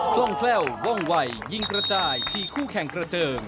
กล้องแคล่วว่องวัยยิงกระจายฉี่คู่แข่งกระเจิง